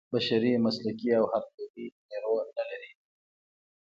بشري مسلکي او حرفوي نیرو نه لري.